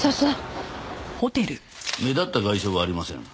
目立った外傷はありません。